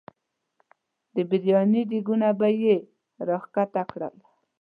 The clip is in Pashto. د بریاني دیګونه به یې را ښکته کړل.